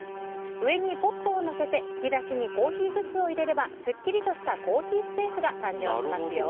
上にポットを載せて、引き出しにコーヒーグッズを入れればすっきりとしたコーヒースペースが誕生しますよ。